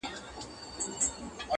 د انسان د بدن د برخو چوکاټ